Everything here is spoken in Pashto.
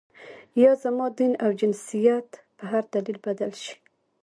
یا زما دین او جنسیت په هر دلیل بدل شي.